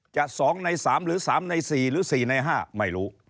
จะสองในสามหรือสามในสี่หรือสี่ในห้าไม่รู้